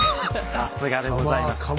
さすがでございます。